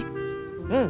うん！